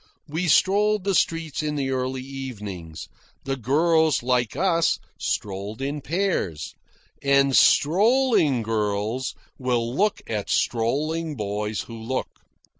We strolled the streets in the early evenings. The girls, like us, strolled in pairs. And strolling girls will look at strolling boys who look.